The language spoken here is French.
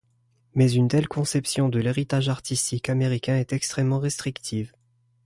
Mais une telle conception de l'héritage artistique américain est extrêmement restrictive.